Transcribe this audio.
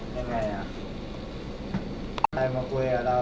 ได้ไหมอ่ะใครมาคุยกับเรา